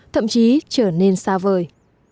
thậm chí trở nên xa vời